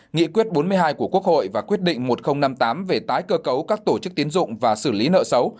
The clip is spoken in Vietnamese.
nghị quyết bốn mươi hai của quốc hội và quyết định một nghìn năm mươi tám về tái cơ cấu các tổ chức tiến dụng và xử lý nợ xấu